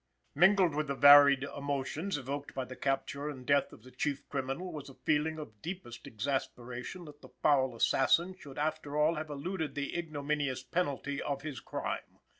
Mingling with the varied emotions evoked by the capture and death of the chief criminal was a feeling of deepest exasperation that the foul assassin should after all have eluded the ignominious penalty of his crime.